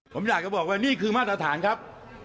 ผมอยากจะบอกว่านี่คือมาตรฐานครับ